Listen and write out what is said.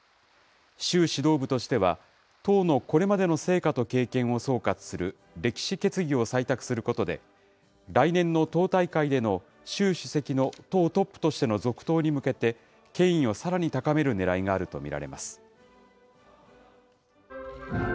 習指導部としては、党のこれまでの成果と経験を総括する歴史決議を採択することで、来年の党大会での習主席の党トップとしての続投に向けて、権威をさらに高めるねらいがあると見られます。